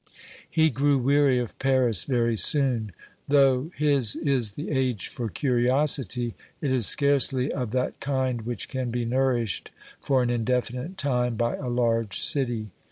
He grew weary of Paris very soon. Though his is the age for curiosity, it is scarcely of that kind which can be nourished for an indefinite time by a large city.